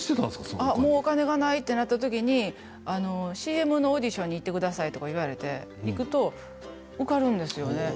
もうお金がないとなったときにＣＭのオーディションに行ってくださいとか言われて行くと受かるんですよね。